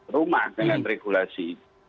rumah dengan regulasi